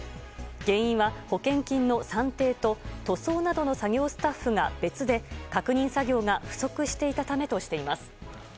原因は、保険金の算定と塗装などの作業スタッフが別で確認作業が不足していたためとしています。